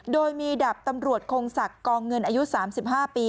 โดยมีดาบตำรวจคงศักดิ์กองเงินอายุ๓๕ปี